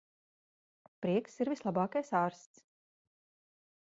Prieks ir vislabākais ārsts.